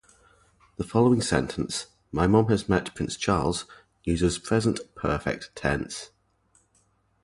The following sentence "My Mum has met Prince Charles" uses Present Perfect tense.